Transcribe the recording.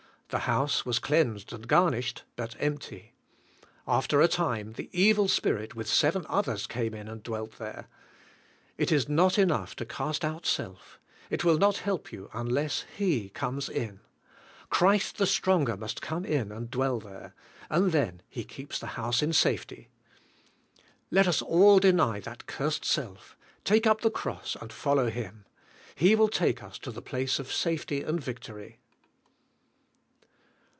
The house was cleansed and garnished but empty. After a time the evil spirit with seven others came in and dwelt there. It is not enough to cast out ¥h:^ si5i<]? i.iFi). 55 self; it will not help you unless He comes in; Christ the stronger must come in and dwell there, and then He keeps the house in safety. Let us all deny that cursed self; take up the cross and follow Him. He will take us to the place of safety and victory.